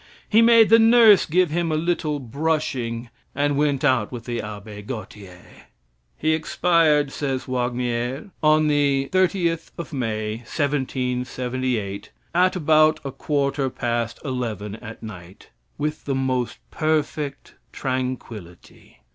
He made the nurse give him a little brushing and went out with the Abbe Gautier. He expired, says Wagnierre, on the 30th of May, 1778, at about a quarter past 11 at night, with the most perfect tranquility.